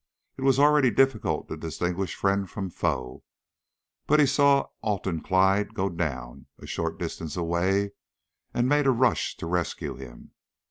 It was already difficult to distinguish friend from foe, but he saw Alton Clyde go down a short distance away and made a rush to rescue him.